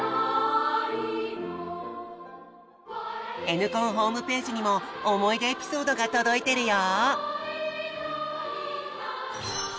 「Ｎコン」ホームページにも思い出エピソードが届いてるよ！